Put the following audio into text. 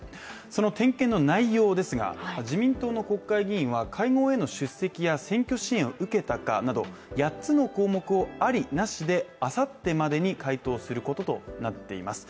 その点検の内容ですが自民党の国会議員は会合への出席や選挙支援を受けたかなど８つの項目をあり、なしであさってまでに回答することとなっています。